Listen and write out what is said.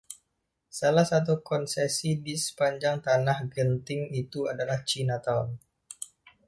Salah satu konsesi di sepanjang tanah genting itu adalah "China Town".